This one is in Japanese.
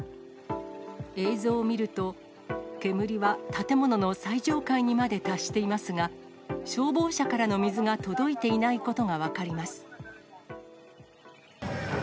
映像を見ると、煙は建物の最上階にまで達していますが、消防車からの水が届いていないことが分かります。